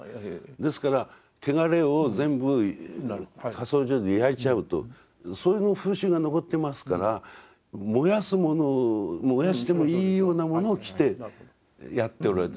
ですから汚れを全部火葬場で焼いちゃうとそれの風習が残ってますから燃やすもの燃やしてもいいようなものを着てやっておられた。